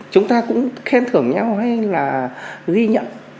chúng ta cũng khen thưởng nhau hay là ghi nhận